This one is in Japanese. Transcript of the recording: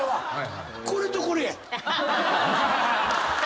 これとこれや！